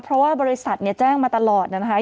เพราะว่าบริษัทแจ้งมาตลอดนะคะ